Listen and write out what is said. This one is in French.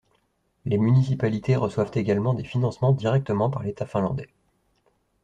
Les municipalités reçoivent également des financements directement par l'État finlandais.